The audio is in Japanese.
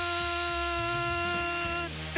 って